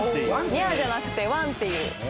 ニャーじゃなくてワンっていう。